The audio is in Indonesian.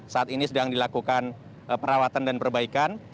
saat ini sedang dilakukan perawatan dan perbaikan